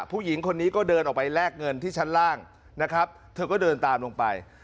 ผู้หญิงคนนี้ก็เดินออกไปแลกเงินที่ชั้นล่างนะครับเธอก็เดินตามลงไป